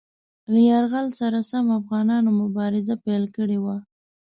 له یرغل سره سم افغانانو مبارزه پیل کړې وه.